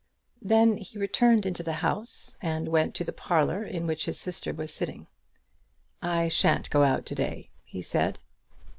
Then he returned into the house, and went to the parlour in which his sister was sitting. "I shan't go out to day," he said.